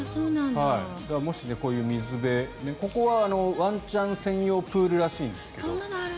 もし、こういう水辺ここはワンちゃん専用プールらしいんですけど。